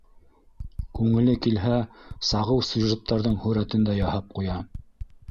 Күңеле килһә, сағыу сюжеттарҙың һүрәтен дә яһап ҡуя.